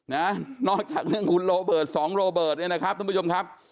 น่ะนอกจากเนื่องคุณโลเบิดสองโลเบิดนี่นะนะครับทุกผู้ชมครับ